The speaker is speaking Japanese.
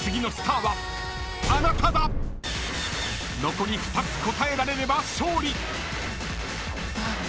［残り２つ答えられれば勝利！］